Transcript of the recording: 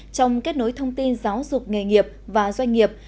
trong kết nối thông tin giáo dục nghề nghiệp và doanh nghiệp